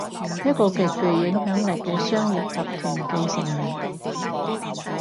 一個極具影響力嘅商業集團繼承人